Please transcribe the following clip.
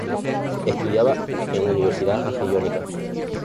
Estudiaba en Universidad Jagellónica.